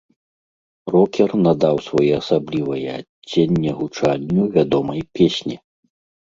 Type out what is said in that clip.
Рокер надаў своеасаблівае адценне гучанню вядомай песні.